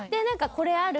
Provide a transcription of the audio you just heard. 「これある？」